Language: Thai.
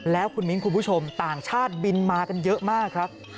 แล้วคุณมิ้นคุณผู้ชมต่างชาติบินมากันเยอะมากครับ